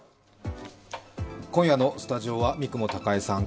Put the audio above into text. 今夜のスタジオは三雲孝江さん